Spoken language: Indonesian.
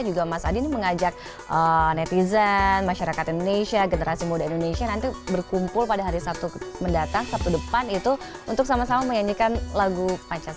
juga mas adi ini mengajak netizen masyarakat indonesia generasi muda indonesia nanti berkumpul pada hari sabtu mendatang sabtu depan itu untuk sama sama menyanyikan lagu pancasila